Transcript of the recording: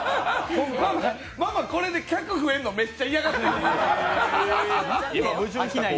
ママ、これで客増えるのめっちゃ嫌がってるんですよ。